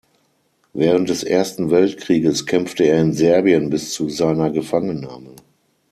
Während des Ersten Weltkrieges kämpfte er in Serbien bis zu seiner Gefangennahme.